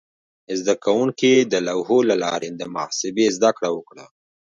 زده کوونکي د لوحو له لارې د محاسبې زده کړه وکړه.